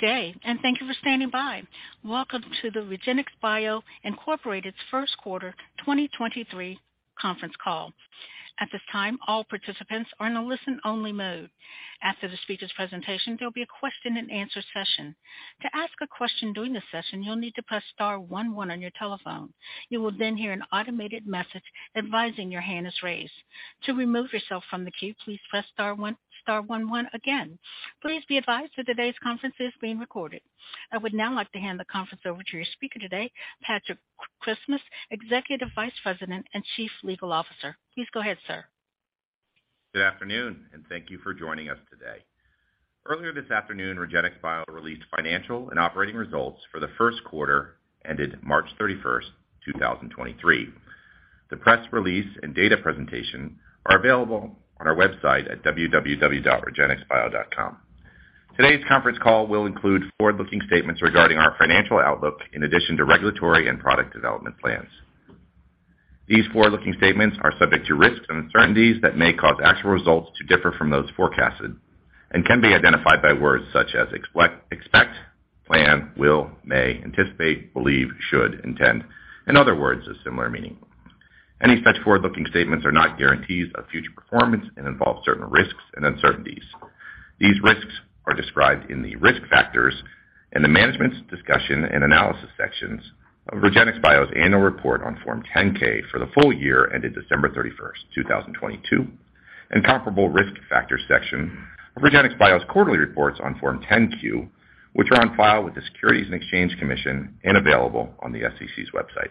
Good day. Thank you for standing by. Welcome to the REGENXBIO Inc.'s first quarter 2023 conference call. At this time, all participants are in a listen-only mode. After the speaker's presentation, there'll be a question-and-answer session. To ask a question during this session, you'll need to press star one one on your telephone. You will hear an automated message advising your hand is raised. To remove yourself from the queue, please press star one one again. Please be advised that today's conference is being recorded. I would now like to hand the conference over to your speaker today, Patrick Christmas, Executive Vice President and Chief Legal Officer. Please go ahead, sir. Good afternoon, and thank you for joining us today. Earlier this afternoon, REGENXBIO released financial and operating results for the first quarter ended March 31st, 2023. The press release and data presentation are available on our website at www.regenxbio.com. Today's conference call will include forward-looking statements regarding our financial outlook in addition to regulatory and product development plans. These forward-looking statements are subject to risks and uncertainties that may cause actual results to differ from those forecasted and can be identified by words such as expect, plan, will, may, anticipate, believe, should, intend, and other words of similar meaning. Any such forward-looking statements are not guarantees of future performance and involve certain risks and uncertainties. These risks are described in the Risk Factors in the Management's Discussion and Analysis sections of REGENXBIO's Annual Report on Form 10-K for the full year ended December 31st, 2022, and comparable Risk Factors section of REGENXBIO's quarterly reports on Form 10-Q, which are on file with the Securities and Exchange Commission and available on the SEC's website.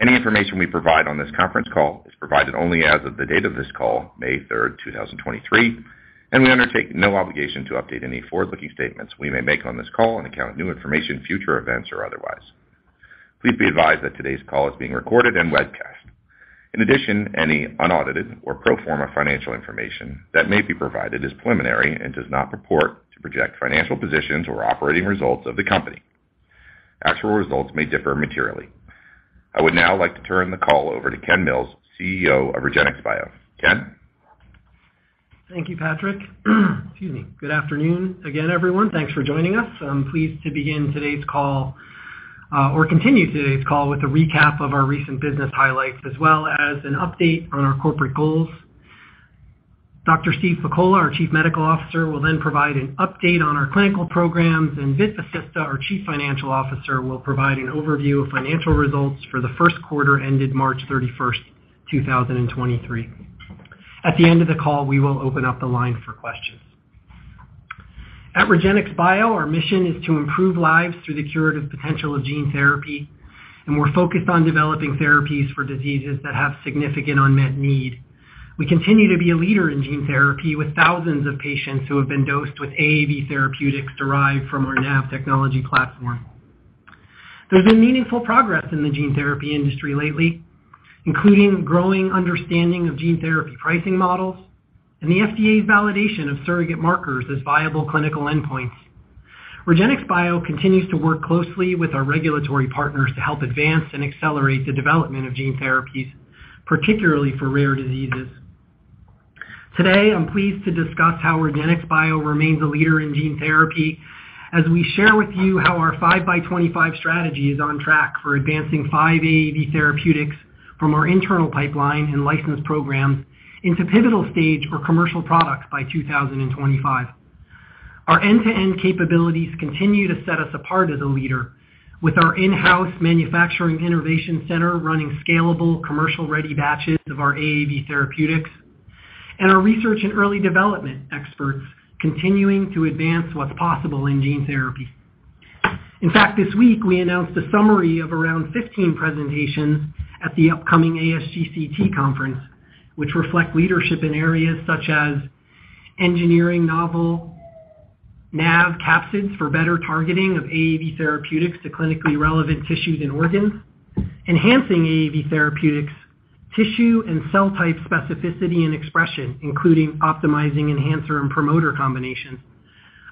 Any information we provide on this conference call is provided only as of the date of this call, May 3rd, 2023, and we undertake no obligation to update any forward-looking statements we may make on this call on account of new information, future events, or otherwise. Please be advised that today's call is being recorded and webcast. In addition, any unaudited or pro forma financial information that may be provided is preliminary and does not purport to project financial positions or operating results of the company. Actual results may differ materially. I would now like to turn the call over to Ken Mills, CEO of REGENXBIO. Ken? Thank you, Patrick. Excuse me. Good afternoon again, everyone. Thanks for joining us. I'm pleased to begin today's call, or continue today's call with a recap of our recent business highlights, as well as an update on our corporate goals. Dr. Steve Pakola, our Chief Medical Officer, will then provide an update on our clinical programs, and Vit Vasista, our Chief Financial Officer, will provide an overview of financial results for the first quarter ended March 31st, 2023. At the end of the call, we will open up the line for questions. At REGENXBIO, our mission is to improve lives through the curative potential of gene therapy, and we're focused on developing therapies for diseases that have significant unmet need. We continue to be a leader in gene therapy with thousands of patients who have been dosed with AAV therapeutics derived from our NAV Technology Platform. There's been meaningful progress in the gene therapy industry lately, including growing understanding of gene therapy pricing models and the FDA's validation of surrogate markers as viable clinical endpoints. REGENXBIO continues to work closely with our regulatory partners to help advance and accelerate the development of gene therapies, particularly for rare diseases. Today, I'm pleased to discuss how REGENXBIO remains a leader in gene therapy as we share with you how our 5 by 25 strategy is on track for advancing 5 AAV therapeutics from our internal pipeline and licensed programs into pivotal stage or commercial products by 2025. Our end-to-end capabilities continue to set us apart as a leader with our in-house Manufacturing Innovation Center running scalable commercial-ready batches of our AAV therapeutics and our research and early development experts continuing to advance what's possible in gene therapy. In fact, this week we announced a summary of around 15 presentations at the upcoming ASGCT conference, which reflect leadership in areas such as engineering novel NAV capsids for better targeting of AAV therapeutics to clinically relevant tissues and organs, enhancing AAV therapeutics tissue and cell type specificity and expression, including optimizing enhancer and promoter combinations,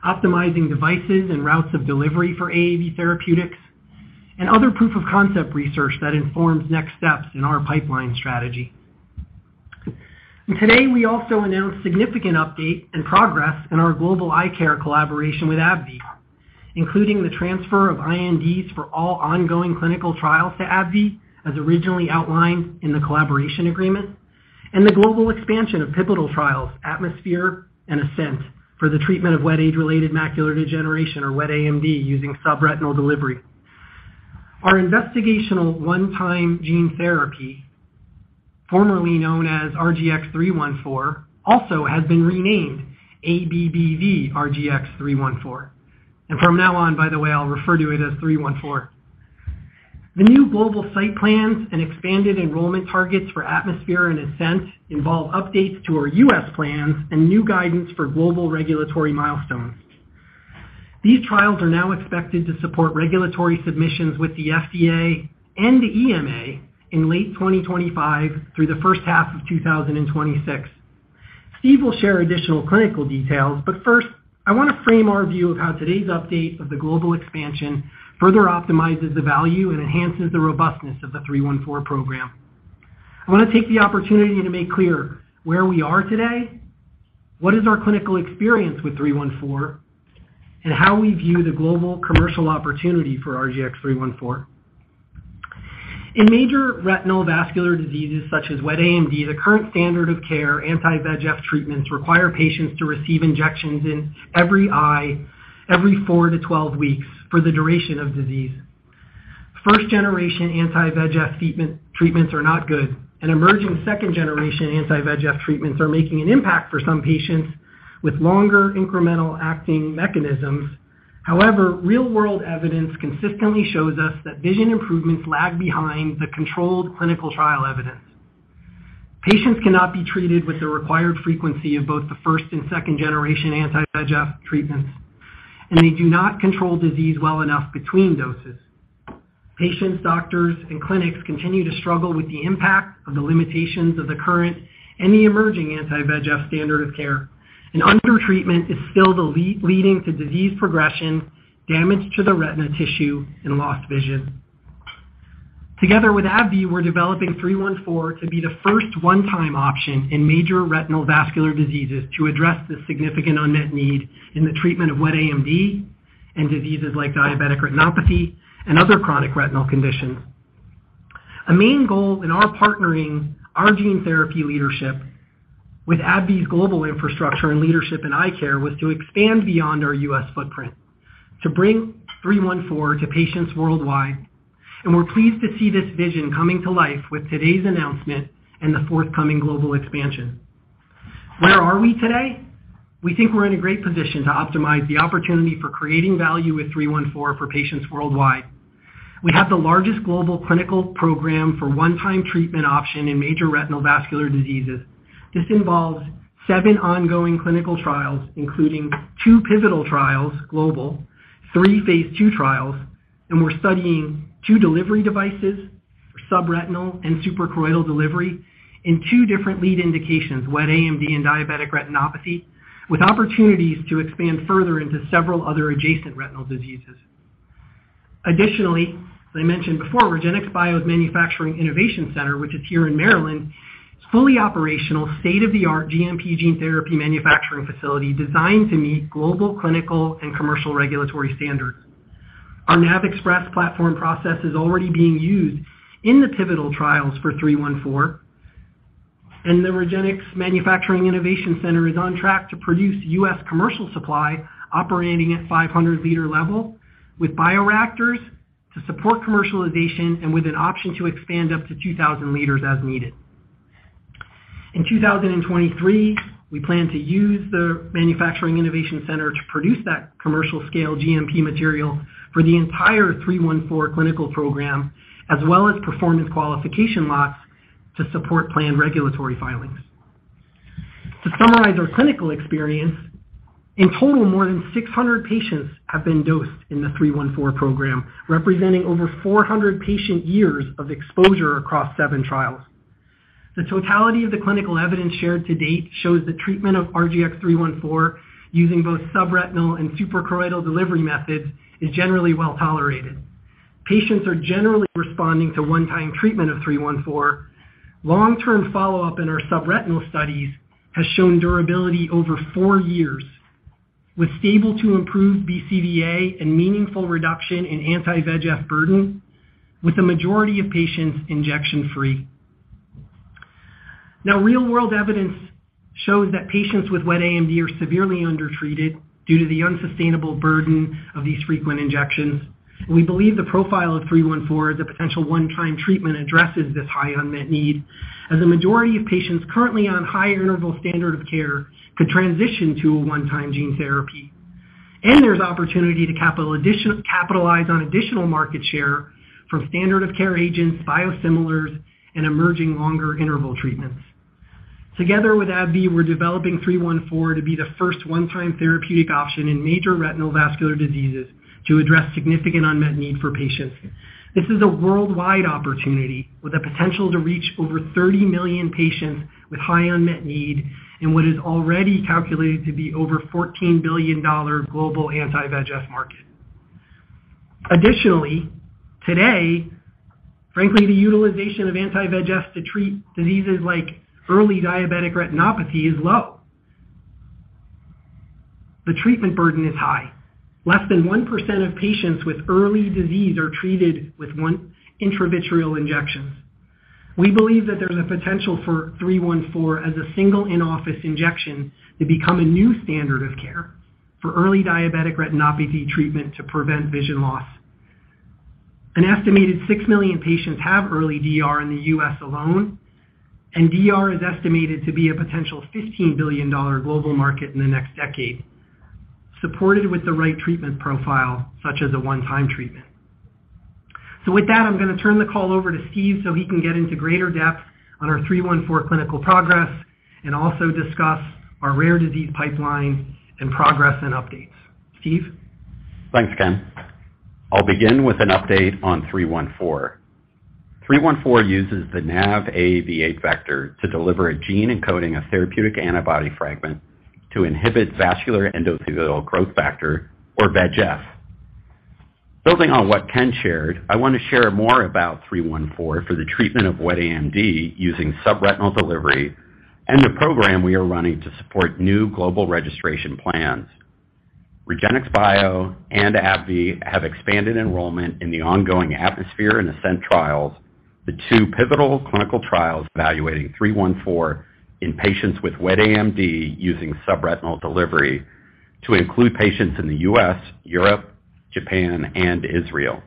optimizing devices and routes of delivery for AAV therapeutics, and other proof of concept research that informs next steps in our pipeline strategy. Today, we also announced significant update and progress in our global eye care collaboration with AbbVie, including the transfer of INDs for all ongoing clinical trials to AbbVie as originally outlined in the collaboration agreement, and the global expansion of pivotal trials, ATMOSPHERE and ASCENT, for the treatment of wet age-related macular degeneration or wet AMD using subretinal delivery. Our investigational one-time gene therapy, formerly known as RGX-314, also has been renamed ABBV-RGX-314. From now on, by the way, I'll refer to it as 314. The new global site plans and expanded enrollment targets for ATMOSPHERE and ASCENT involve updates to our U.S. plans and new guidance for global regulatory milestones. These trials are now expected to support regulatory submissions with the FDA and the EMA in late 2025 through the first half of 2026. Steve will share additional clinical details. First, I wanna frame our view of how today's update of the global expansion further optimizes the value and enhances the robustness of the 314 program. I want to take the opportunity to make clear where we are today, what is our clinical experience with 314, and how we view the global commercial opportunity for RGX-314. In major retinal vascular diseases such as wet AMD, the current standard of care anti-VEGF treatments require patients to receive injections in every eye every 4-12 weeks for the duration of disease. First generation anti-VEGF treatments are not good. Emerging second generation anti-VEGF treatments are making an impact for some patients with longer incremental acting mechanisms. However, real-world evidence consistently shows us that vision improvements lag behind the controlled clinical trial evidence. Patients cannot be treated with the required frequency of both the first and second generation anti-VEGF treatments, and they do not control disease well enough between doses. Patients, doctors, and clinics continue to struggle with the impact of the limitations of the current and the emerging anti-VEGF standard of care. Undertreatment is still leading to disease progression, damage to the retina tissue, and lost vision. Together with AbbVie, we're developing 314 to be the first one-time option in major retinal vascular diseases to address the significant unmet need in the treatment of wet AMD and diseases like diabetic retinopathy and other chronic retinal conditions. A main goal in our partnering, our gene therapy leadership with AbbVie's global infrastructure and leadership in eye care, was to expand beyond our U.S. footprint to bring 314 to patients worldwide. We're pleased to see this vision coming to life with today's announcement and the forthcoming global expansion. Where are we today? We think we're in a great position to optimize the opportunity for creating value with 314 for patients worldwide. We have the largest global clinical program for one-time treatment option in major retinal vascular diseases. This involves seven ongoing clinical trials, including two pivotal trials, global, three phase II trials, and we're studying two delivery devices for subretinal and suprachoroidal delivery in two different lead indications, wet AMD and diabetic retinopathy, with opportunities to expand further into several other adjacent retinal diseases. Additionally, as I mentioned before, REGENXBIO Manufacturing Innovation Center, which is here in Maryland, is a fully operational state-of-the-art GMP gene therapy manufacturing facility designed to meet global, clinical and commercial regulatory standards. Our NAVXpress platform process is already being used in the pivotal trials for 314, and the REGENXBIO Manufacturing Innovation Center is on track to produce U.S. commercial supply operating at 500 liter level with bioreactors to support commercialization and with an option to expand up to 2,000 liters as needed. In 2023, we plan to use the Manufacturing Innovation Center to produce that commercial scale GMP material for the entire 314 clinical program, as well as performance qualification lots to support planned regulatory filings. To summarize our clinical experience, in total, more than 600 patients have been dosed in the 314 program, representing over 400 patient years of exposure across seven trials. The totality of the clinical evidence shared to date shows the treatment of RGX-314 using both subretinal and suprachoroidal delivery methods is generally well-tolerated. Patients are generally responding to one-time treatment of 314. Long-term follow-up in our subretinal studies has shown durability over four years with stable to improved BCVA and meaningful reduction in anti-VEGF burden, with the majority of patients injection-free. Real-world evidence shows that patients with wet AMD are severely undertreated due to the unsustainable burden of these frequent injections. We believe the profile of 314 as a potential one-time treatment addresses this high unmet need, as a majority of patients currently on high interval standard of care could transition to a one-time gene therapy. There's opportunity to capitalize on additional market share from standard of care agents, biosimilars, and emerging longer interval treatments. Together with AbbVie, we're developing RGX-314 to be the first one-time therapeutic option in major retinal vascular diseases to address significant unmet need for patients. This is a worldwide opportunity with the potential to reach over 30 million patients with high unmet need in what is already calculated to be over a $14 billion global anti-VEGF market. Today, frankly, the utilization of anti-VEGF to treat diseases like early diabetic retinopathy is low. The treatment burden is high. Less than 1% of patients with early disease are treated with 1 intravitreal injections. We believe that there's a potential for RGX-314 as a single in-office injection to become a new standard of care for early diabetic retinopathy treatment to prevent vision loss. An estimated 6 million patients have early DR in the U.S. alone, DR is estimated to be a potential $15 billion global market in the next decade, supported with the right treatment profile, such as a one-time treatment. With that, I'm going to turn the call over to Steve so he can get into greater depth on our 314 clinical progress and also discuss our rare disease pipeline and progress and updates. Steve? Thanks, Ken. I'll begin with an update on 314. 314 uses the NAV AAV8 vector to deliver a gene encoding a therapeutic antibody fragment to inhibit vascular endothelial growth factor, or VEGF. Building on what Ken shared, I want to share more about 314 for the treatment of wet AMD using subretinal delivery and the program we are running to support new global registration plans. REGENXBIO and AbbVie have expanded enrollment in the ongoing ATMOSPHERE and ASCENT trials, the two pivotal clinical trials evaluating 314 in patients with wet AMD using subretinal delivery to include patients in the U.S., Europe, Japan, and Israel.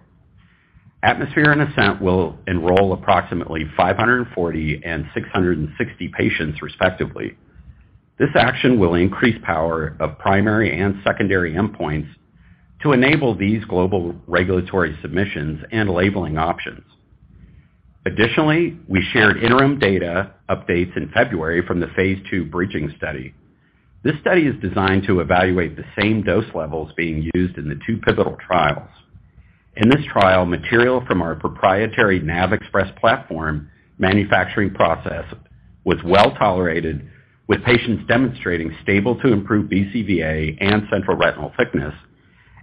ATMOSPHERE and ASCENT will enroll approximately 540 and 660 patients respectively. This action will increase power of primary and secondary endpoints to enable these global regulatory submissions and labeling options. We shared interim data updates in February from the phase II bridging study. This study is designed to evaluate the same dose levels being used in the two pivotal trials. In this trial, material from our proprietary NAVXpress platform manufacturing process was well-tolerated, with patients demonstrating stable to improved BCVA and central retinal thickness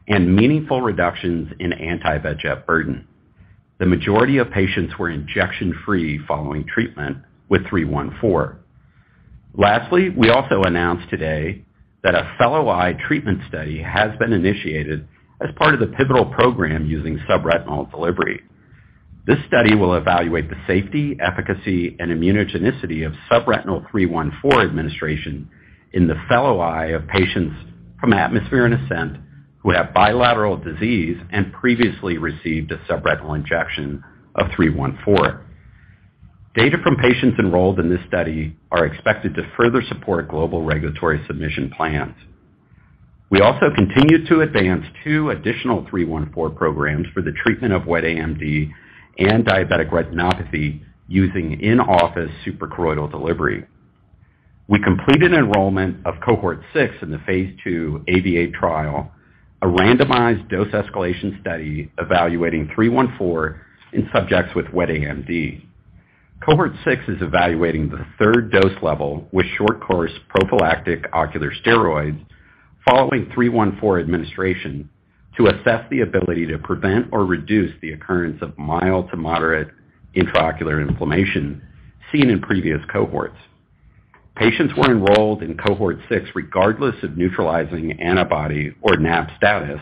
and meaningful reductions in anti-VEGF burden. The majority of patients were injection-free following treatment with 314. We also announced today that a fellow eye treatment study has been initiated as part of the pivotal program using subretinal delivery. This study will evaluate the safety, efficacy, and immunogenicity of subretinal 314 administration in the fellow eye of patients from ATMOSPHERE and ASCENT who have bilateral disease and previously received a subretinal injection of 314. Data from patients enrolled in this study are expected to further support global regulatory submission plans. We also continue to advance two additional RGX-314 programs for the treatment of wet AMD and diabetic retinopathy using in-office suprachoroidal delivery. We completed enrollment of cohort 6 in the Phase II AAVIATE trial, a randomized dose escalation study evaluating RGX-314 in subjects with wet AMD. Cohort six is evaluating the third dose level with short course prophylactic ocular steroids following RGX-314 administration to assess the ability to prevent or reduce the occurrence of mild to moderate intraocular inflammation seen in previous cohorts. Patients were enrolled in cohort six regardless of neutralizing antibody or NAb status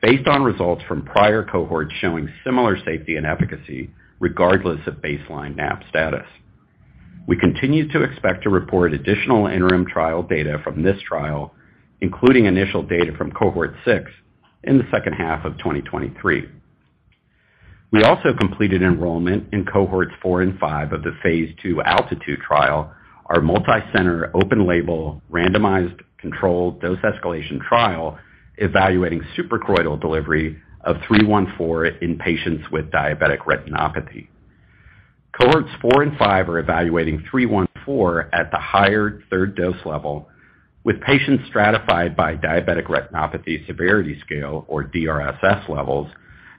based on results from prior cohorts showing similar safety and efficacy regardless of baseline NAb status. We continue to expect to report additional interim trial data from this trial, including initial data from cohort six in the second half of 2023. We also completed enrollment in cohorts four and five of the phase II ALTITUDE trial, our multicenter open label randomized controlled dose escalation trial evaluating suprachoroidal delivery of 314 in patients with diabetic retinopathy. Cohorts four and five are evaluating 314 at the higher third dose level with patients stratified by diabetic retinopathy severity scale or DRSS levels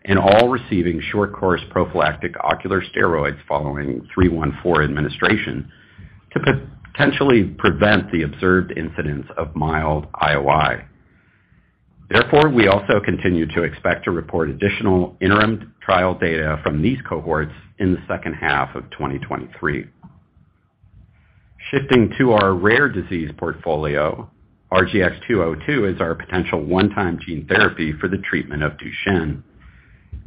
and all receiving short course prophylactic ocular steroids following 314 administration to potentially prevent the observed incidence of mild IOI. Therefore, we also continue to expect to report additional interim trial data from these cohorts in the second half of 2023. Shifting to our rare disease portfolio, RGX-202 is our potential one-time gene therapy for the treatment of Duchenne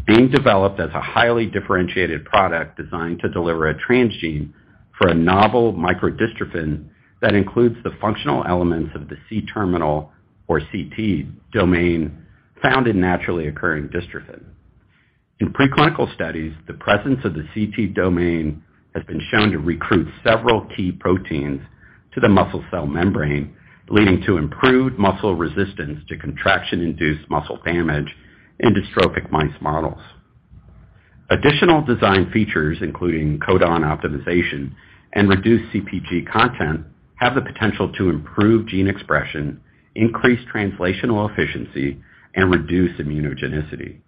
being developed as a highly differentiated product designed to deliver a transgene for a novel microdystrophin that includes the functional elements of the C-Terminal or CT domain found in naturally occurring dystrophin. In preclinical studies, the presence of the CT domain has been shown to recruit several key proteins to the muscle cell membrane, leading to improved muscle resistance to contraction-induced muscle damage in dystrophic mice models. Additional design features, including codon optimization and reduced CPG content, have the potential to improve gene expression, increase translational efficiency, and reduce immunogenicity.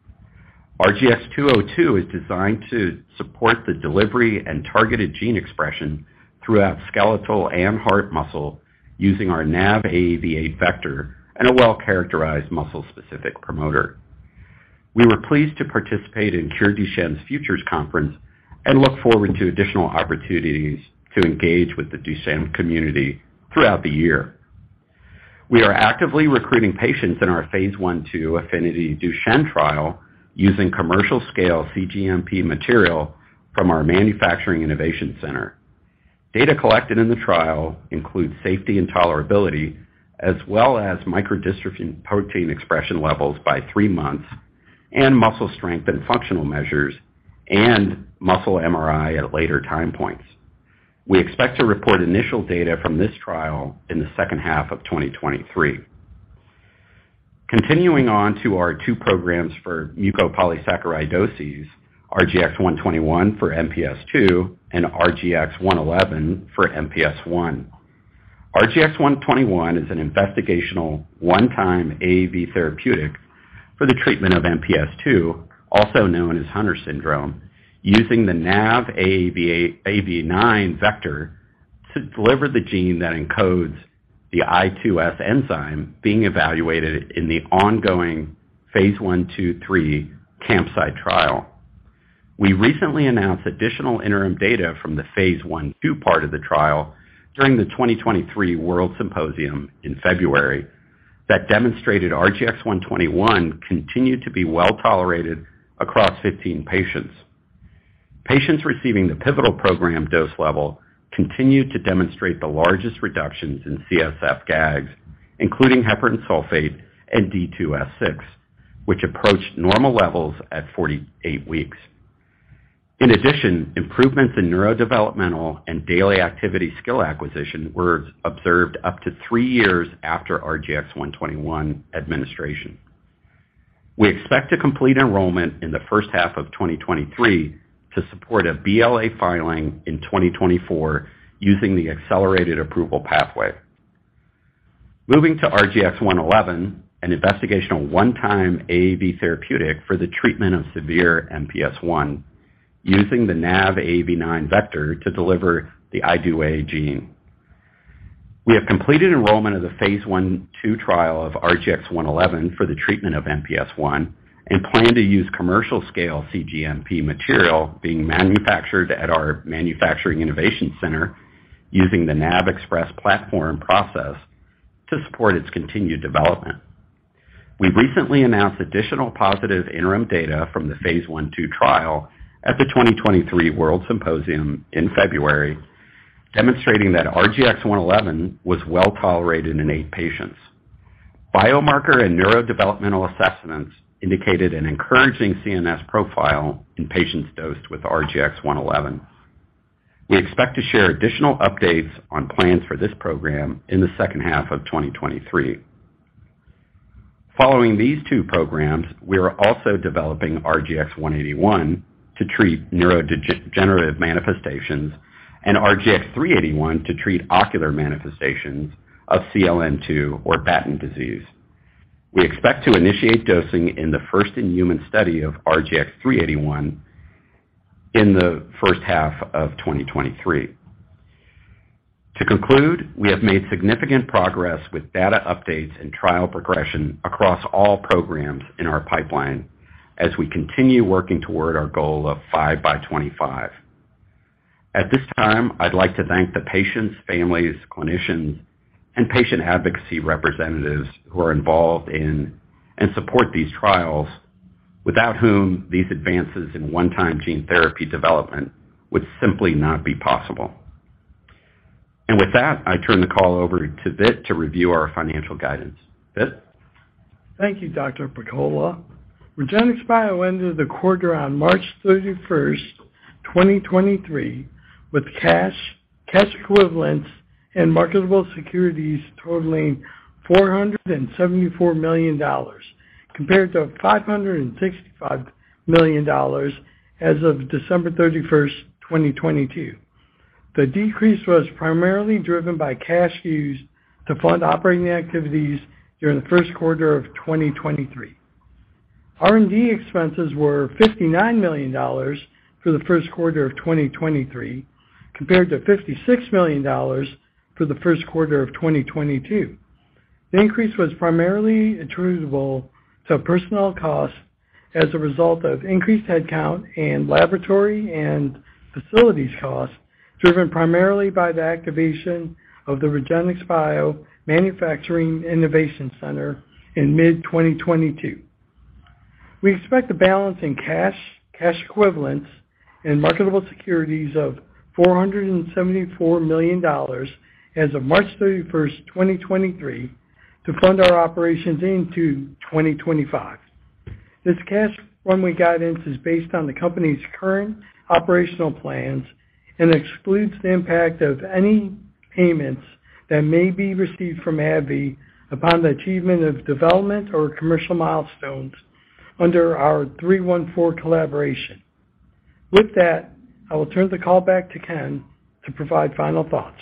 RGX-202 is designed to support the delivery and targeted gene expression throughout skeletal and heart muscle using our NAV AAV8 vector and a well-characterized muscle-specific promoter. We were pleased to participate in CureDuchenne's Futures Conference and look forward to additional opportunities to engage with the Duchenne community throughout the year. We are actively recruiting patients in our phase I/II AFFINITY DUCHENNE trial using commercial scale cGMP material from our REGENXBIO Manufacturing Innovation Center. Data collected in the trial include safety and tolerability, as well as microdystrophin protein expression levels by three months and muscle strength and functional measures and muscle MRI at later time points. We expect to report initial data from this trial in the second half of 2023. Continuing on to our two programs for mucopolysaccharidoses, RGX-121 for MPS II and RGX-111 for MPS I. RGX-121 is an investigational one-time AAV therapeutic for the treatment of MPS II, also known as Hunter syndrome, using the NAV AAV9 vector to deliver the gene that encodes the IDS enzyme being evaluated in the ongoing Phase I/II/III CAMPSIITE trial. We recently announced additional interim data from the Phase I/II part of the trial during the 2023 WORLDSymposium in February that demonstrated RGX-121 continued to be well tolerated across 15 patients. Patients receiving the pivotal program dose level continued to demonstrate the largest reductions in CSF GAGs, including heparan sulfate and D2S6, which approached normal levels at 48 weeks. In addition, improvements in neurodevelopmental and daily activity skill acquisition were observed up to three years after RGX-121 administration. We expect to complete enrollment in the first half of 2023 to support a BLA filing in 2024 using the accelerated approval pathway. Moving to RGX-111, an investigational one-time AAV therapeutic for the treatment of severe MPS I, using the NAV AAV9 vector to deliver the IDS gene. We have completed enrollment of the Phase 1/2 trial of RGX-111 for the treatment of MPS I and plan to use commercial scale cGMP material being manufactured at our Manufacturing Innovation Center using the NAVXpress platform process to support its continued development. We recently announced additional positive interim data from the Phase 1/2 trial at the 2023 WORLDSymposium in February, demonstrating that RGX-111 was well tolerated in 8 patients. Biomarker and neurodevelopmental assessments indicated an encouraging CNS profile in patients dosed with RGX-111. We expect to share additional updates on plans for this program in the second half of 2023. Following these two programs, we are also developing RGX-181 to treat neurodegenerative manifestations and RGX-381 to treat ocular manifestations of CLN2 or Batten disease. We expect to initiate dosing in the first in human study of RGX-381 in the first half of 2023. To conclude, we have made significant progress with data updates and trial progression across all programs in our pipeline as we continue working toward our goal of 5 by 25. At this time, I'd like to thank the patients, families, clinicians, and patient advocacy representatives who are involved in and support these trials without whom these advances in one-time gene therapy development would simply not be possible. With that, I turn the call over to Vit to review our financial guidance. Vit? Thank you, Dr. Pakola. REGENXBIO ended the quarter on March 31st, 2023, with cash equivalents, and marketable securities totaling $474 million, compared to $565 million as of December 31st, 2022. The decrease was primarily driven by cash used to fund operating activities during the first quarter of 2023. R&D expenses were $59 million for the first quarter of 2023, compared to $56 million for the first quarter of 2022. The increase was primarily attributable to personnel costs as a result of increased headcount and laboratory and facilities costs, driven primarily by the activation of the REGENXBIO Manufacturing Innovation Center in mid-2022. We expect a balance in cash equivalents, and marketable securities of $474 million as of March 31st, 2023 to fund our operations into 2025. This cash runway guidance is based on the company's current operational plans and excludes the impact of any payments that may be received from AbbVie upon the achievement of development or commercial milestones under our 314 collaboration. With that, I will turn the call back to Ken to provide final thoughts.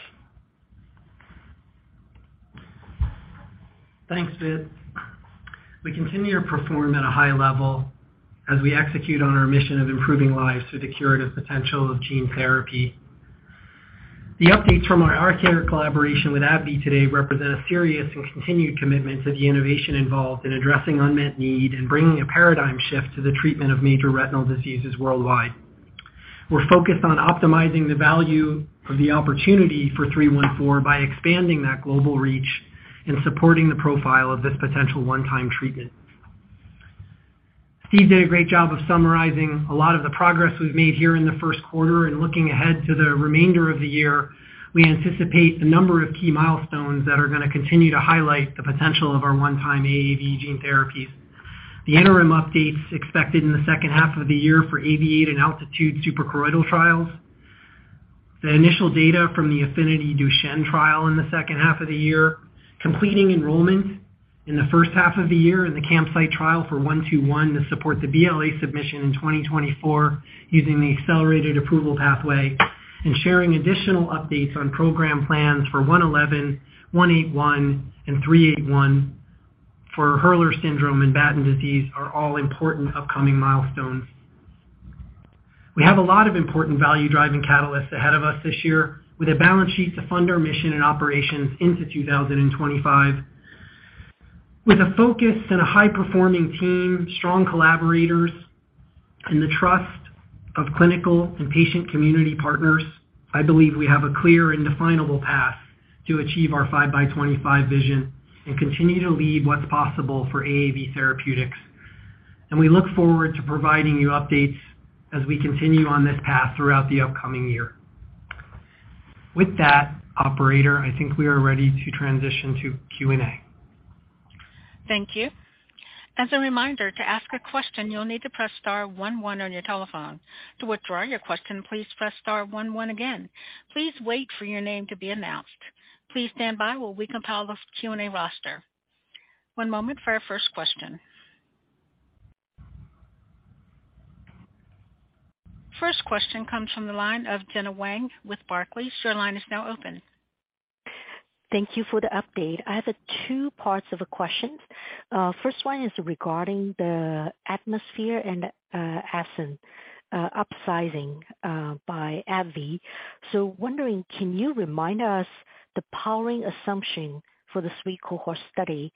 Thanks, Vit. We continue to perform at a high level as we execute on our mission of improving lives through the curative potential of gene therapy. The updates from our eye care collaboration with AbbVie today represent a serious and continued commitment to the innovation involved in addressing unmet need and bringing a paradigm shift to the treatment of major retinal diseases worldwide. We're focused on optimizing the value of the opportunity for 314 by expanding that global reach and supporting the profile of this potential one-time treatment. Steve did a great job of summarizing a lot of the progress we've made here in the first quarter. Looking ahead to the remainder of the year, we anticipate a number of key milestones that are going to continue to highlight the potential of our one-time AAV gene therapies. The interim updates expected in the second half of the year for AAVIATE and ALTITUDE suprachoroidal trials, the initial data from the AFFINITY DUCHENNE trial in the second half of the year, completing enrollment in the first half of the year in the CAMPSIITE trial for 121 to support the BLA submission in 2024 using the accelerated approval pathway, sharing additional updates on program plans for 111, 181, and 381 for Hurler syndrome and Batten disease are all important upcoming milestones. We have a lot of important value-driving catalysts ahead of us this year with a balance sheet to fund our mission and operations into 2025. With a focus and a high-performing team, strong collaborators, and the trust of clinical and patient community partners, I believe we have a clear and definable path to achieve our 5 by 25 vision and continue to lead what's possible for AAV Therapeutics. We look forward to providing you updates as we continue on this path throughout the upcoming year. With that, operator, I think we are ready to transition to Q&A. Thank you. As a reminder, to ask a question, you'll need to press star one one on your telephone. To withdraw your question, please press star one one again. Please wait for your name to be announced. Please stand by while we compile the Q&A roster. One moment for our first question. First question comes from the line of Gena Wang with Barclays. Your line is now open. Thank you for the update. I have two parts of a question. First one is regarding the ATMOSPHERE and ASCENT upsizing by AbbVie. Wondering, can you remind us the powering assumption for the suite cohort study?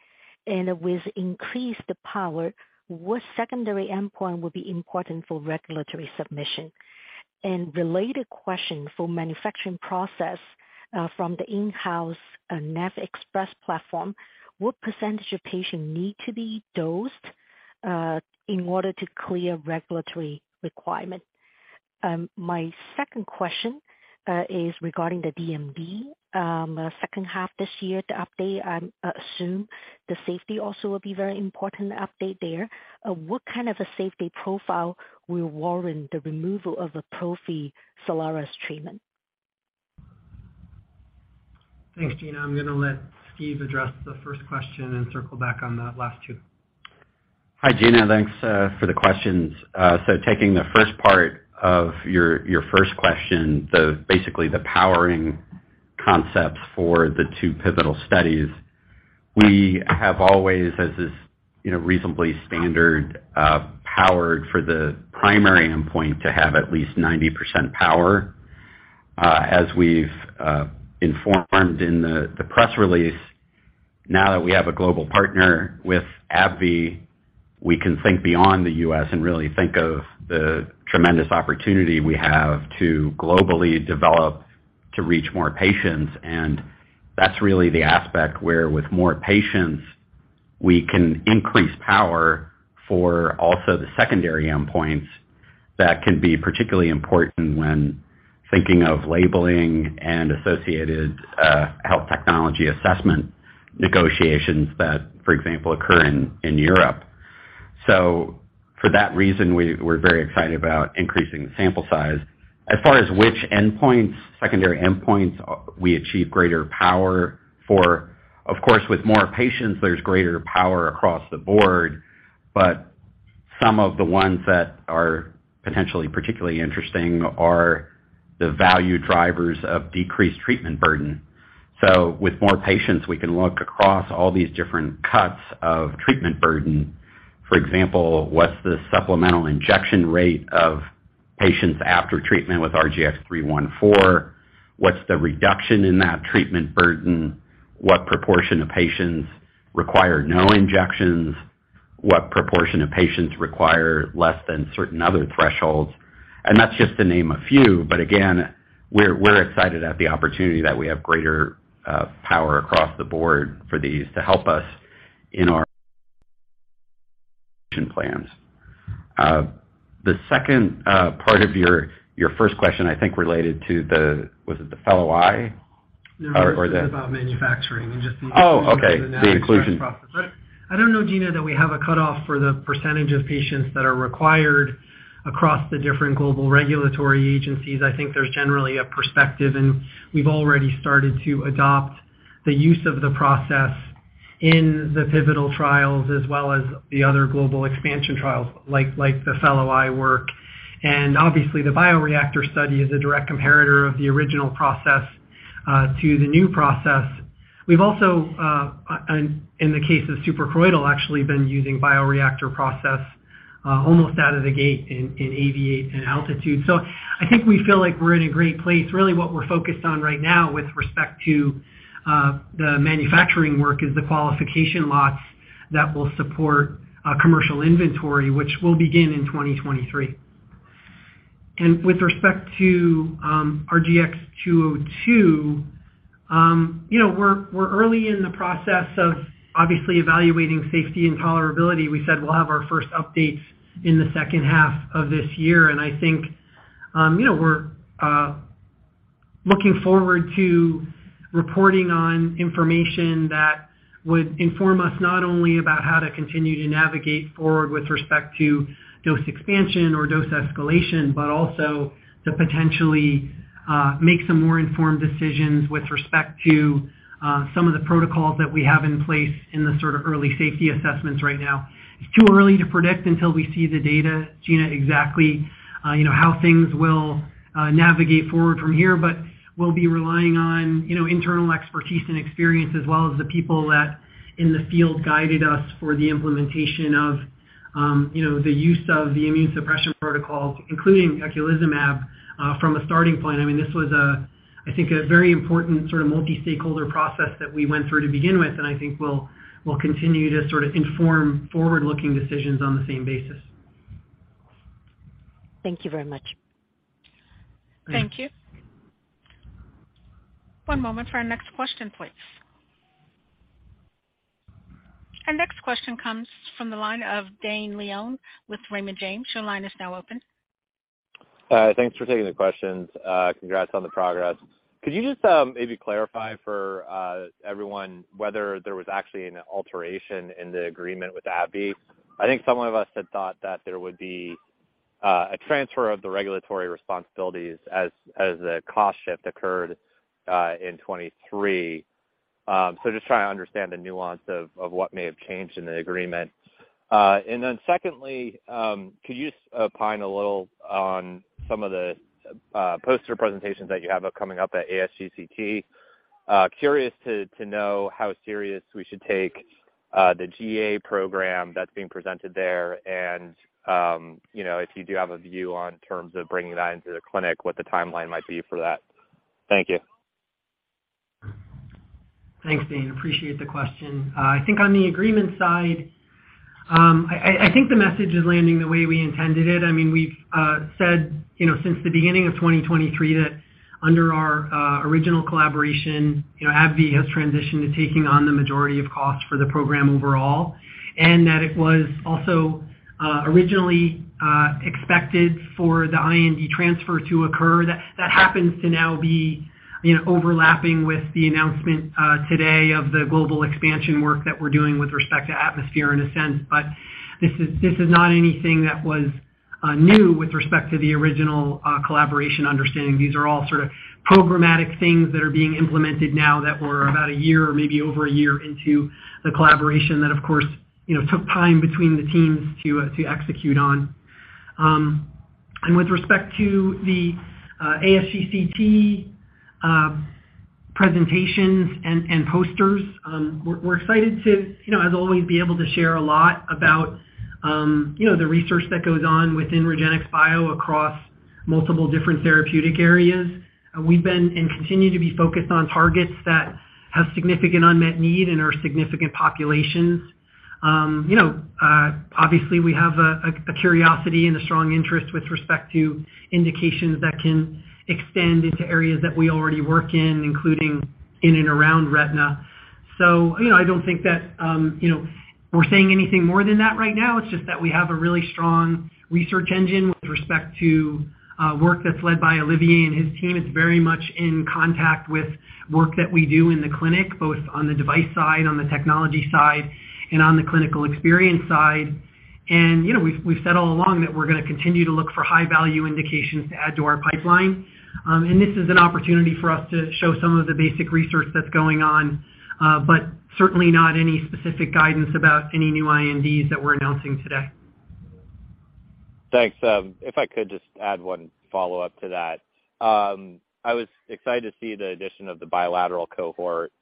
Related question for manufacturing process from the in-house NAVXpress platform, what % of patients need to be dosed in order to clear regulatory requirement? My second question is regarding the DMD second half this year, the update, I assume the safety also will be very important update there. What kind of a safety profile will warrant the removal of the prophylactic Soliris treatment? Thanks, Gena. I'm gonna let Steve address the first question and circle back on the last two. Hi, Gena. Thanks for the questions. Taking the first part of your first question, so basically the powering concepts for the two pivotal studies, we have always, as is, you know, reasonably standard, powered for the primary endpoint to have at least 90% power. As we've informed in the press release, now that we have a global partner with AbbVie, we can think beyond the U.S. and really think of the tremendous opportunity we have to globally develop to reach more patients. That's really the aspect where with more patients, we can increase power for also the secondary endpoints that can be particularly important when thinking of labeling and associated health technology assessment negotiations that, for example, occur in Europe. For that reason, we're very excited about increasing the sample size. As far as which endpoints, secondary endpoints we achieve greater power for, of course, with more patients, there's greater power across the board. Some of the ones that are potentially particularly interesting are the value drivers of decreased treatment burden. With more patients, we can look across all these different cuts of treatment burden. For example, what's the supplemental injection rate of patients after treatment with RGX-314? What's the reduction in that treatment burden? What proportion of patients require no injections? What proportion of patients require less than certain other thresholds? That's just to name a few. Again, we're excited at the opportunity that we have greater power across the board for these to help us in our plans. The second part of your first question, I think, related to the was it the fellow eye? Or the No. It was just about manufacturing and just the inclusion for the NAVXpress process. Oh, okay. The inclusion. I don't know, Gena, that we have a cutoff for the percentage of patients that are required across the different global regulatory agencies. I think there's generally a perspective, and we've already started to adopt the use of the process in the pivotal trials as well as the other global expansion trials, like the fellow eye work. Obviously, the bioreactor study is a direct comparator of the original process to the new process. We've also, in the case of suprachoroidal, actually been using bioreactor process almost out of the gate in NAV AAV8 and ALTITUDE. I think we feel like we're in a great place. Really what we're focused on right now with respect to the manufacturing work is the qualification lots that will support a commercial inventory, which will begin in 2023. With respect to RGX-202, you know, we're early in the process of obviously evaluating safety and tolerability. We said we'll have our first updates in the second half of this year. I think, you know, we're looking forward to reporting on information that would inform us not only about how to continue to navigate forward with respect to dose expansion or dose escalation, but also to potentially make some more informed decisions with respect to some of the protocols that we have in place in the sort of early safety assessments right now. It's too early to predict until we see the data, Gena Wang, exactly, you know, how things will navigate forward from here. We'll be relying on, you know, internal expertise and experience as well as the people that in the field guided us for the implementation of, you know, the use of the immune suppression protocols, including eculizumab, from a starting point. I mean, this was I think a very important sort of multi-stakeholder process that we went through to begin with, and I think we'll continue to sort of inform forward-looking decisions on the same basis. Thank you very much. Yeah. Thank you. One moment for our next question, please. Our next question comes from the line of Dane Leone with Raymond James. Your line is now open. Thanks for taking the questions. Congrats on the progress. Could you just maybe clarify for everyone whether there was actually an alteration in the agreement with AbbVie? I think some of us had thought that there would be a transfer of the regulatory responsibilities as the cost shift occurred, in 23. Just trying to understand the nuance of what may have changed in the agreement. Secondly, could you opine a little on some of the poster presentations that you have coming up at ASTCT? Curious to know how serious we should take the GA program that's being presented there and, you know, if you do have a view on terms of bringing that into the clinic, what the timeline might be for that. Thank you. Thanks, Dane. Appreciate the question. I think on the agreement side, I think the message is landing the way we intended it. I mean, we've said, you know, since the beginning of 2023 that under our original collaboration, you know, AbbVie has transitioned to taking on the majority of costs for the program overall, and that it was also originally expected for the IND transfer to occur. That happens to now be, you know, overlapping with the announcement today of the global expansion work that we're doing with respect to ATMOSPHERE in a sense. This is not anything that was new with respect to the original collaboration understanding. These are all sort of programmatic things that are being implemented now that we're about a year or maybe over a year into the collaboration that of course, you know, took time between the teams to execute on. With respect to the ASGCT presentations and posters, we're excited to, you know, as always be able to share a lot about, you know, the research that goes on within REGENXBIO across multiple different therapeutic areas. We've been, and continue to be focused on targets that have significant unmet need and are significant populations. You know, obviously we have a curiosity and a strong interest with respect to indications that can extend into areas that we already work in, including in and around retina. You know, I don't think that, you know, we're saying anything more than that right now. It's just that we have a really strong research engine with respect to work that's led by Olivier and his team. It's very much in contact with work that we do in the clinic, both on the device side, on the technology side, and on the clinical experience side. You know, we've said all along that we're gonna continue to look for high-value indications to add to our pipeline. This is an opportunity for us to show some of the basic research that's going on, but certainly not any specific guidance about any new INDs that we're announcing today. Thanks. If I could just add 1 follow-up to that. I was excited to see the addition of the bilateral cohort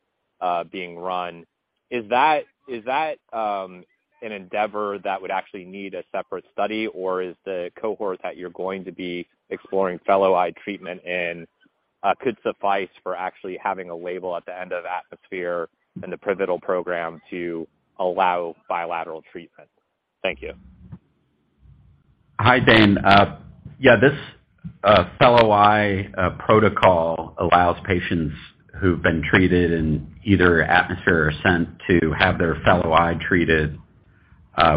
being run. Is that an endeavor that would actually need a separate study, or is the cohort that you're going to be exploring fellow eye treatment in could suffice for actually having a label at the end of ATMOSPHERE in the pivotal program to allow bilateral treatment? Thank you. Hi, Dane. Yeah, this fellow eye protocol allows patients who've been treated in either ATMOSPHERE or ASCENT to have their fellow eye treated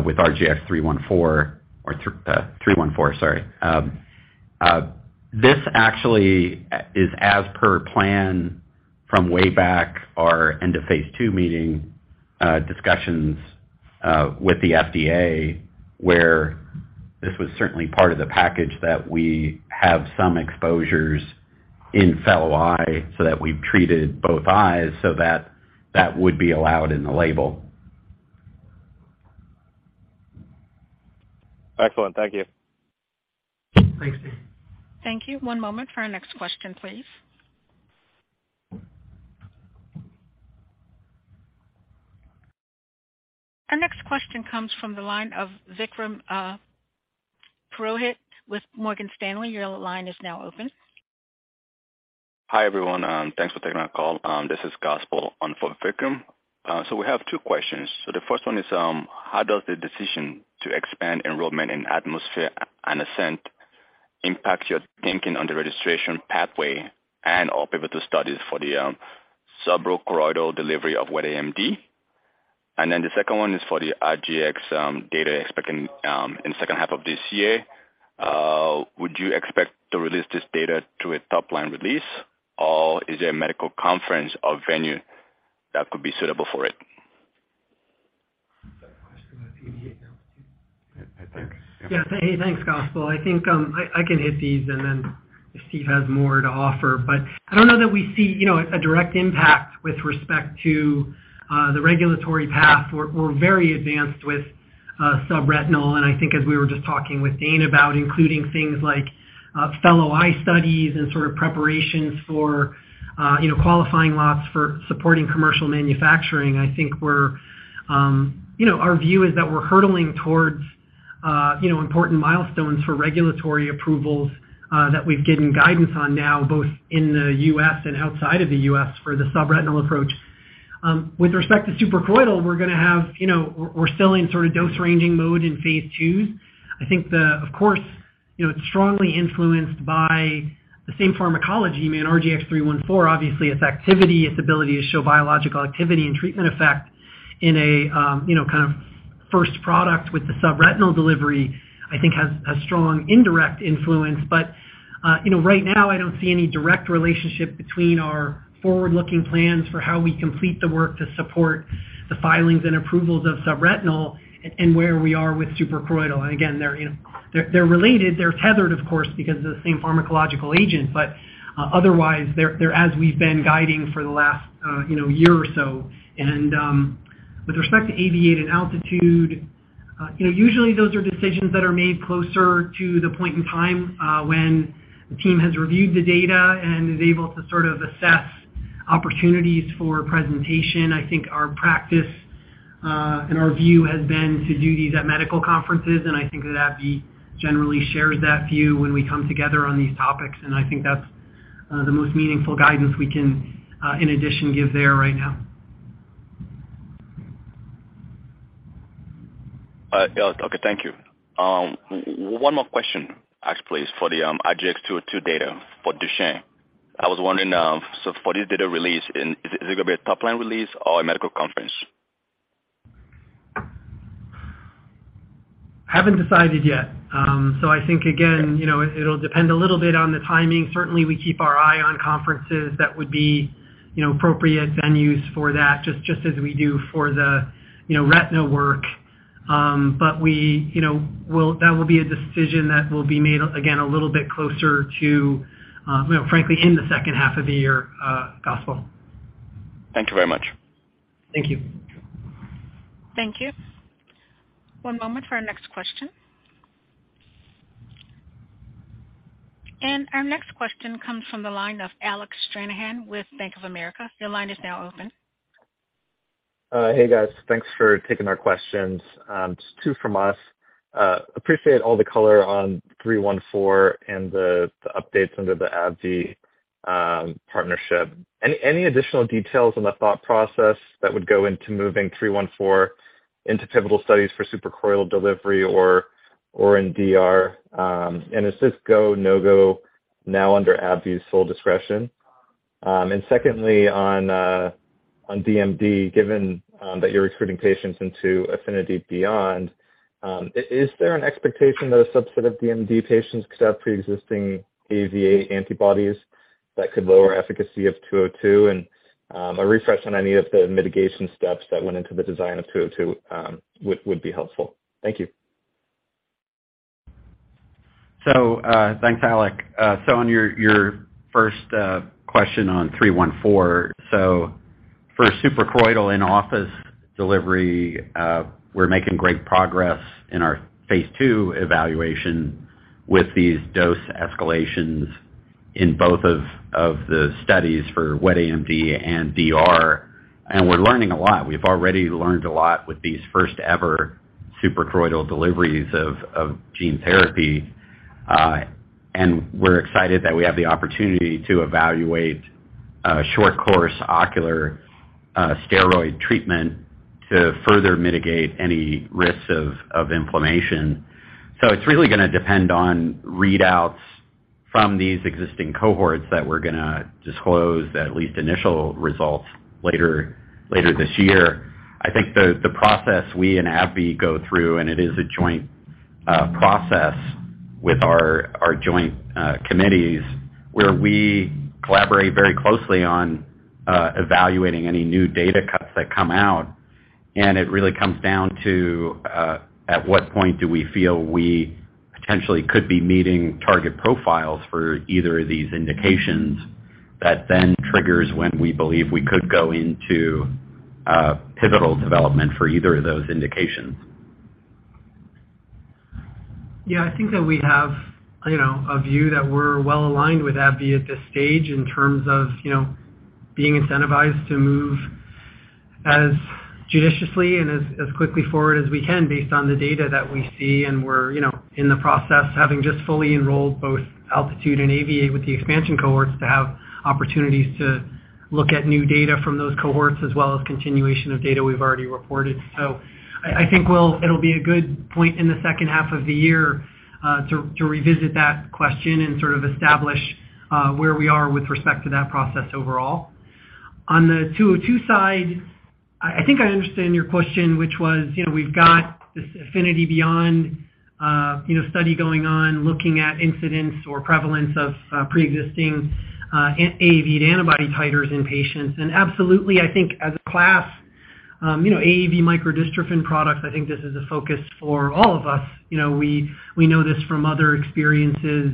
with RGX-314 or 314. Sorry. This actually is as per plan from way back our end of phase II meeting discussions with the FDA, where this was certainly part of the package that we have some exposures in fellow eye so that we've treated both eyes, so that would be allowed in the label. Excellent. Thank you. Thanks, Dane. Thank you. One moment for our next question, please. Our next question comes from the line of Vikram Purohit with Morgan Stanley. Your line is now open. Hi, everyone. Thanks for taking our call. This is Gospel on for Vikram. We have two questions. The first one is, how does the decision to expand enrollment in ATMOSPHERE and ASCENT impact your thinking on the registration pathway and/or pivotal studies for the suprachoroidal delivery of wet AMD? The second one is for the RGX data expecting in second half of this year. Would you expect to release this data through a top-line release, or is there a medical conference or venue that could be suitable for it? Yeah. Thanks, Gospel. I think, I can hit these and then if Steve has more to offer. I don't know that we see, you know, a direct impact with respect to the regulatory path. We're very advanced with subretinal, and I think as we were just talking with Dane about including things like fellow eye studies and sort of preparations for, you know, qualifying lots for supporting commercial manufacturing. I think we're, you know, our view is that we're hurtling towards, you know, important milestones for regulatory approvals that we've given guidance on now, both in the US and outside of the US for the subretinal approach. With respect to suprachoroidal, we're gonna have, you know, we're still in sort of dose-ranging mode in phase IIs. I think of course, you know, it's strongly influenced by the same pharmacology. I mean, RGX-314, obviously, its activity, its ability to show biological activity and treatment effect in a, you know, kind of first product with the subretinal delivery, I think has a strong indirect influence. You know, right now, I don't see any direct relationship between our forward-looking plans for how we complete the work to support the filings and approvals of subretinal and where we are with suprachoroidal. Again, they're, you know, they're related. They're tethered, of course, because of the same pharmacological agent. Otherwise, they're as we've been guiding for the last, you know, year or so. With respect to AAV8 and ALTITUDE, you know, usually those are decisions that are made closer to the point in time when the team has reviewed the data and is able to sort of assess opportunities for presentation. I think our practice and our view has been to do these at medical conferences, and I think that AbbVie generally shares that view when we come together on these topics. I think that's the most meaningful guidance we can, in addition, give there right now. Yeah. Okay. Thank you. One more question to ask, please, for the RGX-202 data for Duchenne. I was wondering, for this data release, is it gonna be a top-line release or a medical conference? Haven't decided yet. I think, again, you know, it'll depend a little bit on the timing. Certainly, we keep our eye on conferences that would be, you know, appropriate venues for that, just as we do for the, you know, retina work. We, you know, That will be a decision that will be made, again, a little bit closer to, well, frankly, in the second half of the year, Gospel. Thank you very much. Thank you. Thank you. One moment for our next question. Our next question comes from the line of Alec Stranahan with Bank of America. Your line is now open. Hey, guys. Thanks for taking our questions. Just two from us. Appreciate all the color on 314 and the updates under the AbbVie partnership. Any additional details on the thought process that would go into moving 314 into pivotal studies for suprachoroidal delivery or in DR, and is this go, no-go now under AbbVie's full discretion? Secondly, on DMD, given that you're recruiting patients into AFFINITY-BEYOND, is there an expectation that a subset of DMD patients could have preexisting AAV8 antibodies that could lower efficacy of 202? A refresh on any of the mitigation steps that went into the design of 202 would be helpful. Thank you. Thanks, Alec. On your first question on 314. For suprachoroidal in-office delivery, we're making great progress in our phase II evaluation with these dose escalations in both of the studies for wet AMD and DR. We're learning a lot. We've already learned a lot with these first ever suprachoroidal deliveries of gene therapy. And we're excited that we have the opportunity to evaluate short course ocular steroid treatment to further mitigate any risks of inflammation. It's really gonna depend on readouts from these existing cohorts that we're gonna disclose at least initial results later this year. I think the process we and AbbVie go through, it is a joint process with our joint committees, where we collaborate very closely on evaluating any new data cuts that come out. It really comes down to at what point do we feel we potentially could be meeting target profiles for either of these indications that then triggers when we believe we could go into pivotal development for either of those indications. I think that we have, you know, a view that we're well aligned with AbbVie at this stage in terms of, you know, being incentivized to move as judiciously and as quickly forward as we can based on the data that we see. We're, you know, in the process, having just fully enrolled both ALTITUDE and AAV8 with the expansion cohorts to have opportunities to look at new data from those cohorts as well as continuation of data we've already reported. I think it'll be a good point in the second half of the year, to revisit that question and sort of establish, where we are with respect to that process overall. On the 202 side, I think I understand your question, which was, you know, we've got this AFFINITY-BEYOND, you know, study going on, looking at incidence or prevalence of, preexisting, AAV to antibody titers in patients. Absolutely, I think as a class, you know, AAV microdystrophin products, I think this is a focus for all of us. You know, we know this from other experiences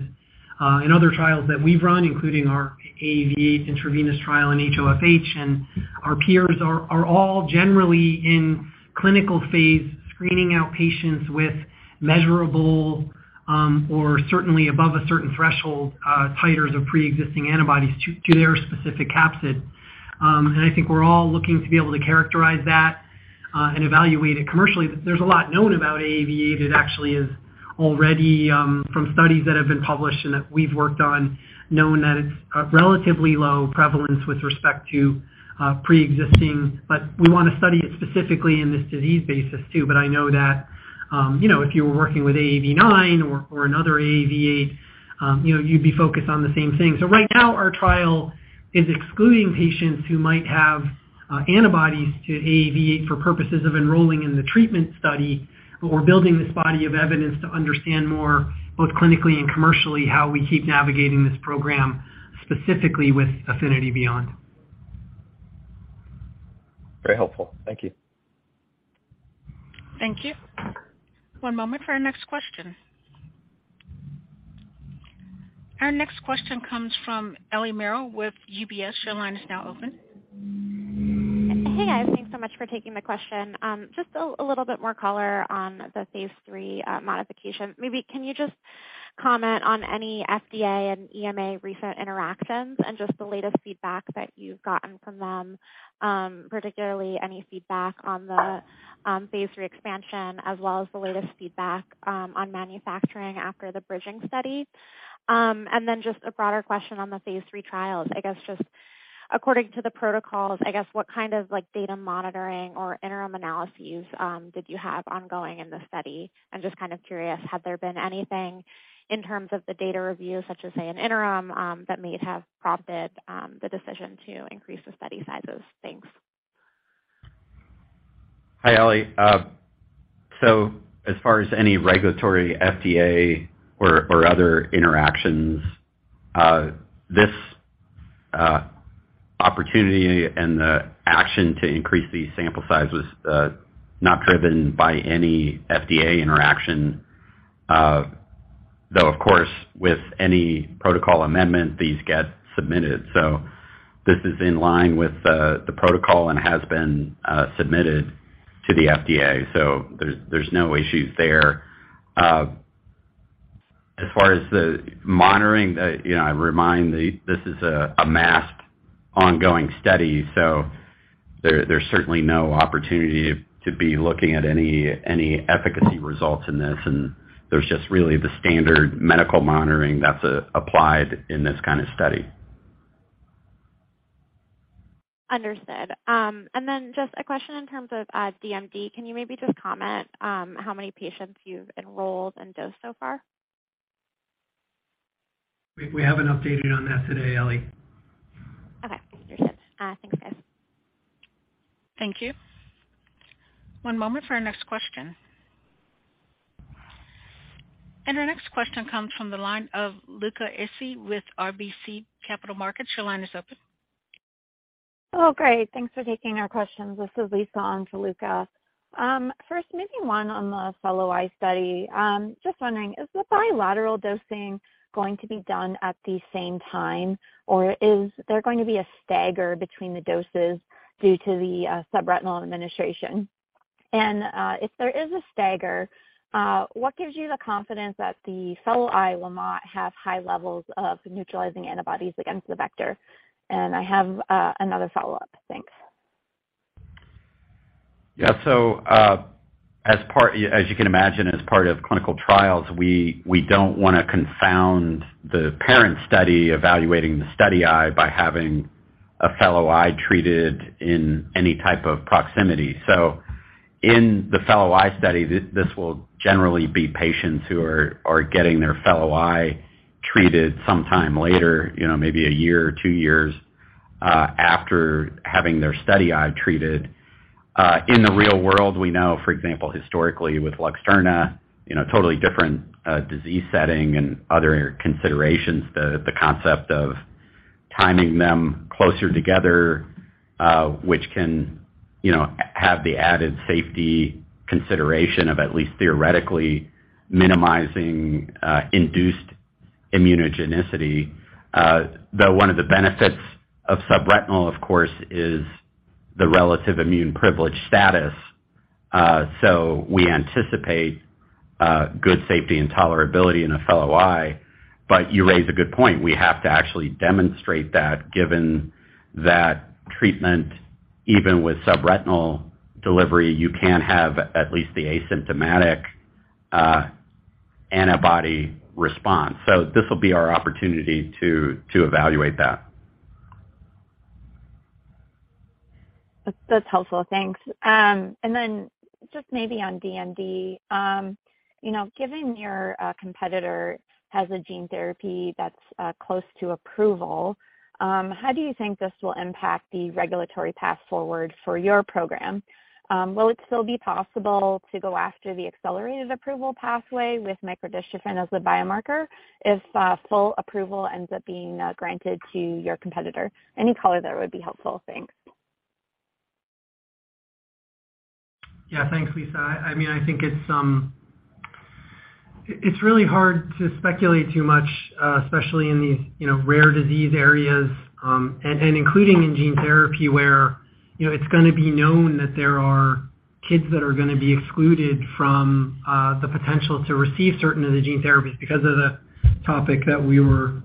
in other trials that we've run, including our AAV8 intravenous trial in HOFH. Our peers are all generally in clinical phase, screening out patients with measurable or certainly above a certain threshold, titers of preexisting antibodies to their specific capsid. I think we're all looking to be able to characterize that and evaluate it commercially. There's a lot known about AAV8. It actually is already from studies that have been published and that we've worked on, known that it's a relatively low prevalence with respect to preexisting. We want to study it specifically in this disease basis too. I know that, you know, if you were working with AAV9 or another AAV8, you know, you'd be focused on the same thing. Right now, our trial is excluding patients who might have antibodies to AAV8 for purposes of enrolling in the treatment study, but we're building this body of evidence to understand more, both clinically and commercially, how we keep navigating this program specifically with AFFINITY BEYOND. Very helpful. Thank you. Thank you. One moment for our next question. Our next question comes from Ellie Merle with UBS. Your line is now open. Hey, guys. Thanks so much for taking the question. just a little bit more color on the phase 3 modification. Maybe can you just comment on any FDA and EMA recent interactions and just the latest feedback that you've gotten from them, particularly any feedback on the phase 3 expansion as well as the latest feedback on manufacturing after the bridging study? Then just a broader question on the phase 3 trials. I guess just according to the protocols, I guess, what kind of like data monitoring or interim analyses did you have ongoing in the study? I'm just kind of curious, had there been anything in terms of the data review, such as say an interim that may have prompted the decision to increase the study sizes? Thanks. Hi, Ellie. As far as any regulatory FDA or other interactions, this opportunity and the action to increase the sample size was not driven by any FDA interaction. Though of course with any protocol amendment these get submitted. This is in line with the protocol and has been submitted to the FDA. There's no issues there. As far as the monitoring, you know, I remind this is a masked ongoing study, so there's certainly no opportunity to be looking at any efficacy results in this. There's just really the standard medical monitoring that's applied in this kind of study. Understood. Then just a question in terms of DMD. Can you maybe just comment how many patients you've enrolled and dosed so far? We haven't updated on that today, Ellie. Okay. Understood. Thanks, guys. Thank you. One moment for our next question. Our next question comes from the line of Luca Issi with RBC Capital Markets. Your line is open. Oh, great. Thanks for taking our questions. This is Lisa on for Luca. First maybe one on the fellow eye study. Just wondering, is the bilateral dosing going to be done at the same time, or is there going to be a stagger between the doses due to the subretinal administration? If there is a stagger, what gives you the confidence that the fellow eye will not have high levels of neutralizing antibodies against the vector? I have another follow-up. Thanks. As you can imagine, as part of clinical trials, we don't wanna confound the parent study evaluating the study eye by having a fellow eye treated in any type of proximity. In the fellow eye study, this will generally be patients who are getting their fellow eye treated sometime later, you know, maybe a year or two years after having their study eye treated. In the real world we know, for example, historically with Luxturna, you know, totally different disease setting and other considerations, the concept of timing them closer together, which can, you know, have the added safety consideration of at least theoretically minimizing induced immunogenicity. Though one of the benefits of subretinal, of course, is the relative immune privileged status. We anticipate good safety and tolerability in a fellow eye. You raise a good point. We have to actually demonstrate that given that treatment, even with subretinal delivery, you can have at least the asymptomatic antibody response. This will be our opportunity to evaluate that. That's helpful. Thanks. And then just maybe on DMD. You know, given your competitor has a gene therapy that's close to approval, how do you think this will impact the regulatory path forward for your program? Will it still be possible to go after the accelerated approval pathway with microdystrophin as the biomarker if full approval ends up being granted to your competitor? Any color there would be helpful. Thanks. Yeah. Thanks, Lisa. I mean, I think it's really hard to speculate too much, especially in these, you know, rare disease areas, including in gene therapy where. You know, it's gonna be known that there are kids that are gonna be excluded from the potential to receive certain of the gene therapies because of the topic that we were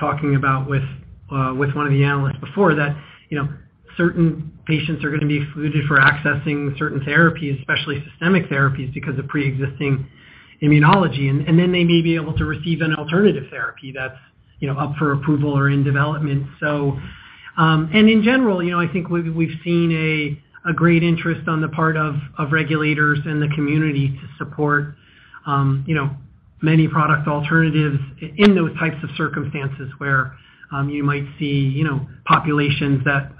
talking about with one of the analysts before that, you know, certain patients are gonna be excluded for accessing certain therapies, especially systemic therapies, because of preexisting immunology. Then they may be able to receive an alternative therapy that's, you know, up for approval or in development. In general, you know, I think we've seen a great interest on the part of regulators and the community to support, you know, many product alternatives in those types of circumstances where, you might see, you know, populations that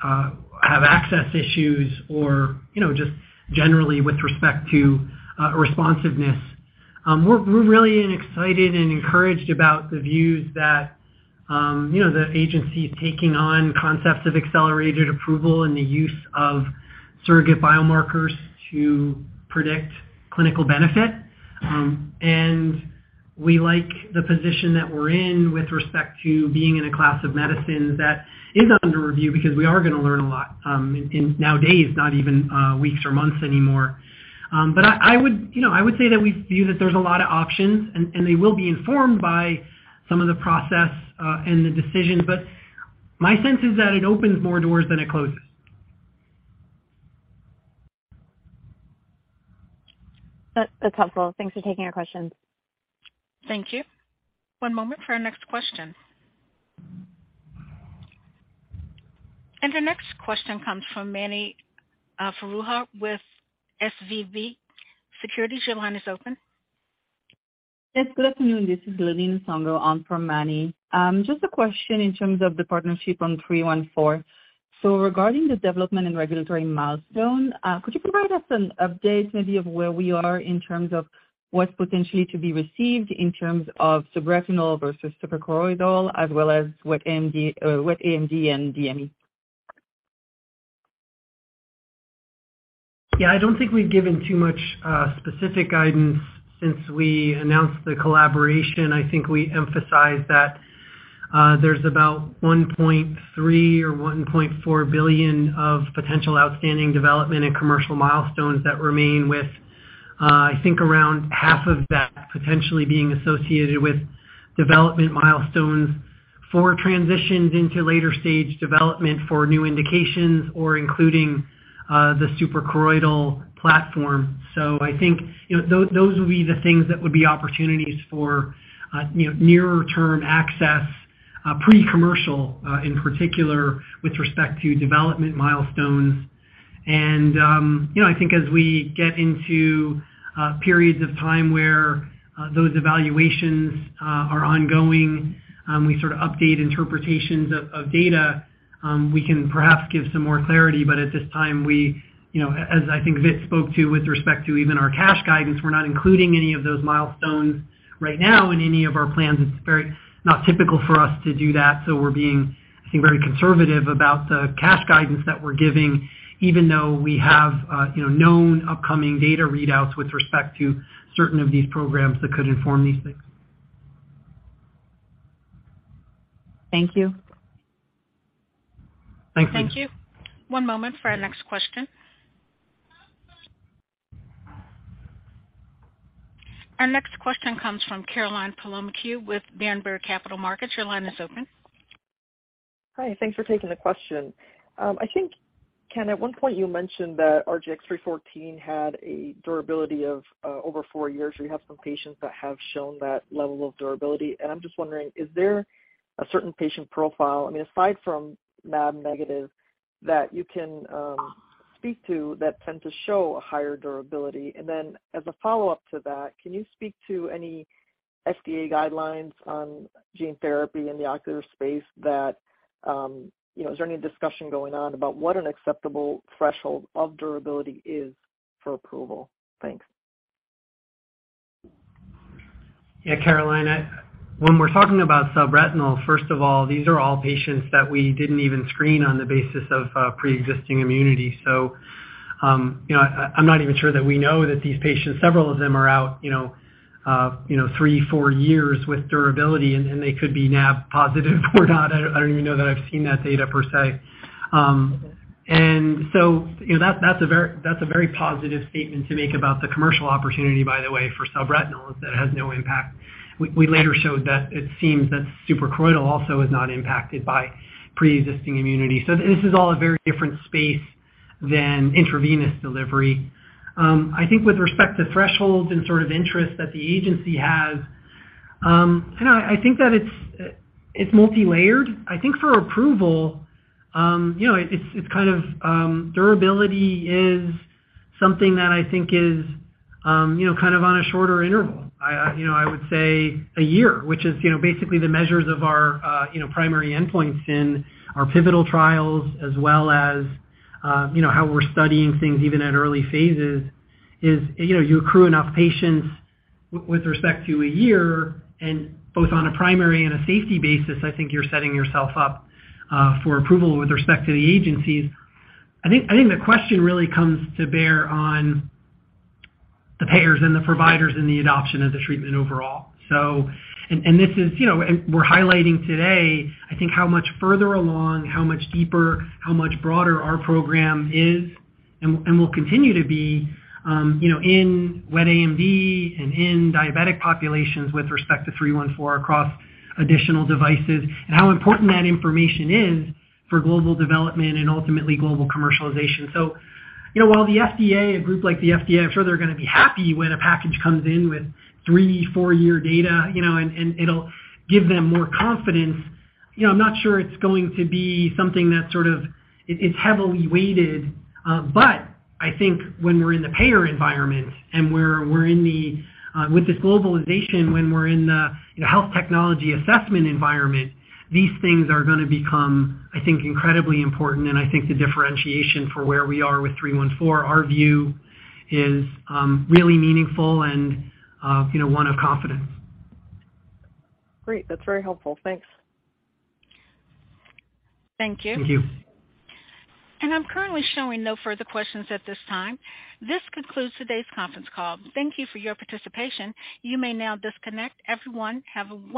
have access issues or, you know, just generally with respect to responsiveness. We're really excited and encouraged about the views that, you know, the agency is taking on concepts of accelerated approval and the use of surrogate biomarkers to predict clinical benefit. We like the position that we're in with respect to being in a class of medicines that is under review because we are gonna learn a lot, in, nowadays, not even weeks or months anymore. I would, you know, I would say that we view that there's a lot of options and they will be informed by some of the process and the decisions. My sense is that it opens more doors than it closes. That's helpful. Thanks for taking our questions. Thank you. One moment for our next question. The next question comes from Manny Foroohar with SVB Securities. Your line is open. Yes, good afternoon. This is Lili Nsongo on for Manny. Just a question in terms of the partnership on RGX-314. Regarding the development and regulatory milestone, could you provide us an update maybe of where we are in terms of what's potentially to be received in terms of subretinal versus suprachoroidal, as well as wet AMD and DME? Yeah, I don't think we've given too much specific guidance since we announced the collaboration. I think we emphasized that, there's about $1.3 billion or $1.4 billion of potential outstanding development and commercial milestones that remain with, I think around half of that potentially being associated with development milestones for transitions into later stage development for new indications or including, the suprachoroidal platform. I think, you know, those will be the things that would be opportunities for, you know, nearer term access, pre-commercial, in particular with respect to development milestones. You know, I think as we get into periods of time where those evaluations are ongoing, we sort of update interpretations of data, we can perhaps give some more clarity. At this time, we, you know, as I think Vic spoke to with respect to even our cash guidance, we're not including any of those milestones right now in any of our plans. It's very not typical for us to do that. We're being, I think, very conservative about the cash guidance that we're giving, even though we have, you know, known upcoming data readouts with respect to certain of these programs that could inform these things. Thank you. Thanks. Thank you. One moment for our next question. Our next question comes from Caroline Palomeque with Berenberg Capital Markets. Your line is open. Hi. Thanks for taking the question. I think, Ken, at one point you mentioned that RGX-314 had a durability of over four years. You have some patients that have shown that level of durability, and I'm just wondering, is there a certain patient profile, I mean, aside from NAb negative, that you can speak to that tend to show a higher durability? And then as a follow-up to that, can you speak to any FDA guidelines on gene therapy in the ocular space that, you know, is there any discussion going on about what an acceptable threshold of durability is for approval? Thanks. Yeah, Caroline, when we're talking about subretinal, first of all, these are all patients that we didn't even screen on the basis of preexisting immunity. You know, I'm not even sure that we know that these patients, several of them are out, you know, three, four years with durability and they could be NAb positive or not. I don't even know that I've seen that data per se. You know, that's a very positive statement to make about the commercial opportunity, by the way, for subretinal, that it has no impact. We later showed that it seems that suprachoroidal also is not impacted by preexisting immunity. This is all a very different space than intravenous delivery. I think with respect to thresholds and sort of interests that the agency has, and I think that it's multilayered. I think for approval, you know, it's kind of durability is something that I think is, you know, kind of on a shorter interval. I, you know, I would say a year, which is, you know, basically the measures of our, you know, primary endpoints in our pivotal trials, as well as, you know, how we're studying things even at early phases is, you know, you accrue enough patients with respect to a year and both on a primary and a safety basis, I think you're setting yourself up for approval with respect to the agencies. I think the question really comes to bear on the payers and the providers and the adoption of the treatment overall. And this is, you know, and we're highlighting today, I think how much further along, how much deeper, how much broader our program is and will continue to be, you know, in wet AMD and in diabetic populations with respect to 314 across additional devices and how important that information is for global development and ultimately global commercialization. You know, while the FDA, a group like the FDA, I'm sure they're gonna be happy when a package comes in with three, four year data, you know, and it'll give them more confidence. You know, I'm not sure it's going to be something that's sort of it's heavily weighted. I think when we're in the payer environment and we're in the with this globalization, when we're in the, you know, health technology assessment environment, these things are gonna become, I think, incredibly important. I think the differentiation for where we are with 314, our view is, really meaningful and, you know, one of confidence. Great. That's very helpful. Thanks. Thank you. Thank you. I'm currently showing no further questions at this time. This concludes today's conference call. Thank you for your participation. You may now disconnect. Everyone, have a wonderful day.